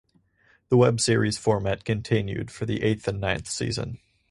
The webseries format continued for the eighth and ninth season.